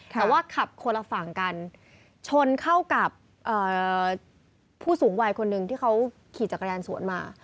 แต่ว่าขับคนละฝั่งกันชนเข้ากับผู้สูงวัยคนหนึ่งที่เขาขี่จักรยานสวนมา